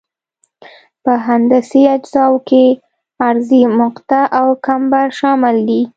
په هندسي اجزاوو کې عرضي مقطع او کمبر شامل دي